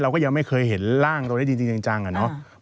เดี๋ยวไม่เห็นล่างตัวนี้จริงจังอ่ะครับ